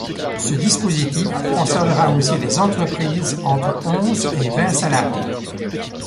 Ce dispositif concernera aussi les entreprises entre onze et vingt salariés.